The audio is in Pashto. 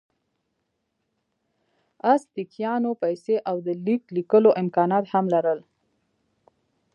ازتکیانو پیسې او د لیک لیکلو امکانات هم لرل.